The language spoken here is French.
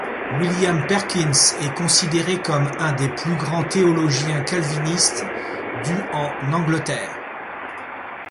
William Perkins est considéré comme un des plus grands théologiens calvinistes du en Angleterre.